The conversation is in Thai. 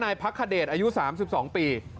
พักขเดชอายุ๓๒ปี